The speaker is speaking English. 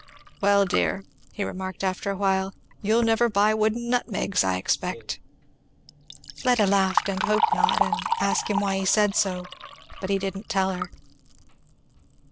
"Well dear!" he remarked after a while, "you'll never buy wooden nutmegs, I expect." Fleda laughed and hoped not, and asked him why he said so. But he didn't tell her.